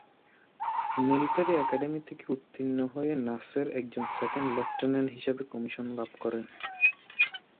Military academy থেকে উত্তীর্ণ হয়ে নাসের একজন সেকেন্ড লেফটেন্যান্ট হিসেবে কমিশন লাভ করেন।